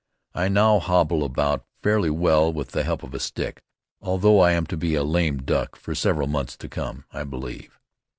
I now hobble about fairly well with the help of a stick, although I am to be a lame duck for several months to come, I believe.